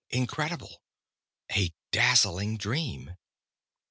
Incredible. A dazzling dream.